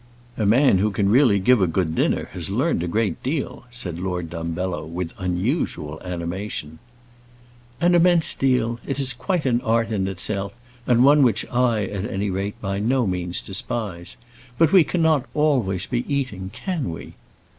"A man who can really give a good dinner has learned a great deal," said Lord Dumbello, with unusual animation. "An immense deal. It is quite an art in itself; and one which I, at any rate, by no means despise. But we cannot always be eating can we?"